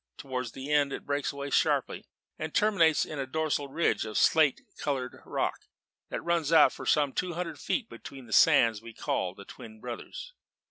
Towards its end it breaks away sharply, and terminates in a dorsal ridge of slate coloured rock that runs out for some two hundred feet between the sands we call the Twin Brothers.